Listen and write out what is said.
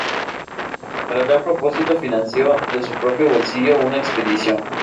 Para tal propósito financió de su propio bolsillo una expedición.